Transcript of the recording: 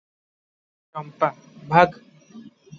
ଚମ୍ପା - ଭାଗ?